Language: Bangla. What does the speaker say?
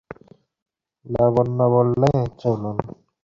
লাবণ্য বললে, চলুন।